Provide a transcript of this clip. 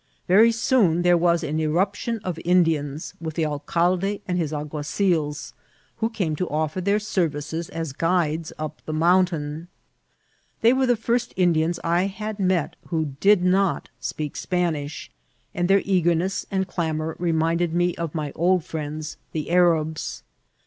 Very soon there was an irruption of Indians, with the alcalde and his alguazils, who came to offer their services as guides up the mountain. They were the first Indians I had met who did not speak Spanish, and their eagerness and clamour reminded me of my old firiends the Arabs.